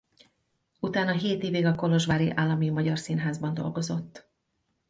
Utána hét évig a Kolozsvári Állami Magyar Színházban dolgozott.